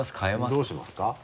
どうしますか？